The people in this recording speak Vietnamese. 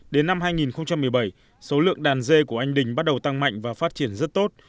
đến năm hai nghìn một mươi bảy số lượng đàn dê của anh đình bắt đầu tăng mạnh và phát triển rất tốt